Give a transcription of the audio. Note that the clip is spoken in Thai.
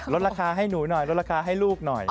ลดราคาให้หนูหน่อยลดราคาให้ลูกหน่อย